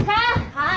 はい。